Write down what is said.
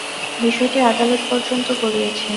বিষয়টি আদালত পর্যন্ত গড়িয়েছে।